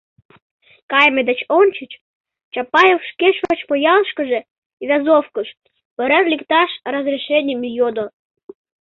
Кайыме деч ончыч Чапаев шке шочмо ялышкыже, Вязовкыш, пурен лекташ разрешеньым йодо.